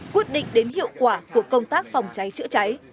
quyết định đến hiệu quả của công tác phòng cháy chữa cháy